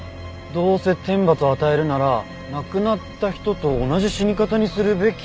「どうせ天罰を与えるなら亡くなった人と同じ死に方にするべき」。